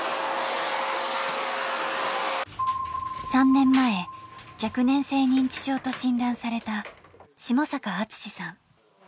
３年前、若年性認知症と診断された下坂厚さん。